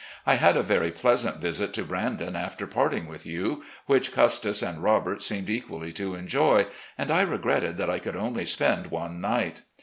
I had a very pleasant visit to Brandon after parting with you, which Custis and Robert seemed equally to enjoy, and I regretted that I could only spend one night.